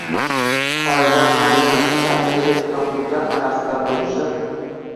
qoida tariqasida, elektron hujjat tarzida bo‘lishi